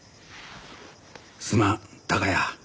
すまん孝也。